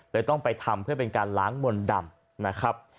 ต้องไปทำเพื่อเป็นการล้างมนต์ดำนะครับ